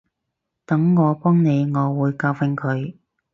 等我幫你，我會教訓佢